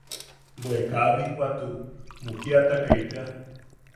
Bwe kaa binwatu mukiatakai tea.